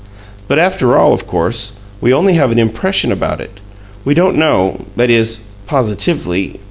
But, after all, of course, we only have an impression about it. We don't know that is, positively.